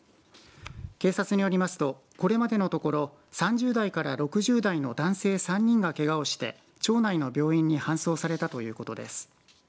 警察によりますとこれまでのところ３０代から６０代の男性３人がけがをして町内の病院に搬送されたということです。